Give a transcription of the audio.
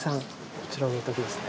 こちらのお宅ですね。